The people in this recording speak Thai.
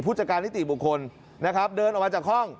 ผู้จัดการนิติบุคคลนะครับเดินออกมาจากห้อง